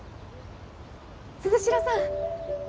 ・鈴代さん。